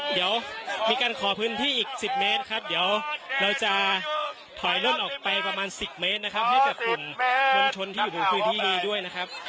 เดี๋ยวมีการขอพื้นที่อีก๑๐เมตรครับเดี๋ยวเราจะถอยล่นออกไปประมาณ๑๐เมตรนะครับให้กับกลุ่มมวลชนที่อยู่ในพื้นที่นี้ด้วยนะครับ